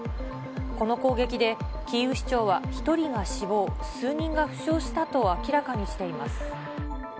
この攻撃で、キーウ市長は１人が死亡、数人が負傷したと明らかにしています。